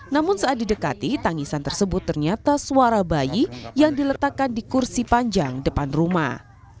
namun saat didekati tangisan tersebut ternyata suara bayi yang diletakkan di kursi panjang depan rumah